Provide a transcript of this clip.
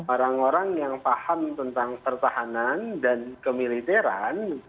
orang orang yang paham tentang pertahanan dan kemiliteran